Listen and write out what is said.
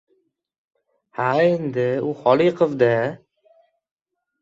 Ha, endi, u Xoliqov-da!